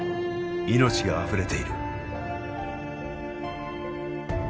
命があふれている。